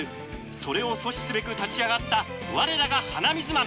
それを阻止すべく立ち上がった我らが鼻水マン！